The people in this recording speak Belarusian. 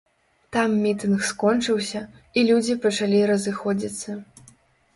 Там мітынг скончыўся, і людзі пачалі разыходзіцца.